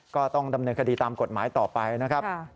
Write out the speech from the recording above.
ก็ต้องดำเนินคดีตามกฎหมายต่อไปนะครับ